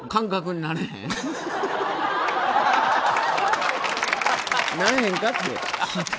なれへんかって。